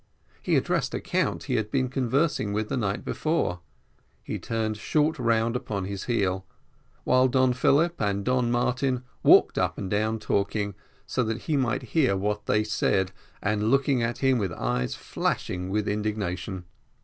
He addressed a count he had been conversing with the night before he turned short round upon his heel, while Don Philip and Don Martin walked up and down talking, so that he might hear what they said, and looking at him with eyes flashing with indignation.